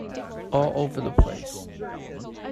All over the place.